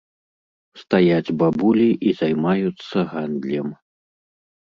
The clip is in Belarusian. Стаяць бабулі і займаюцца гандлем.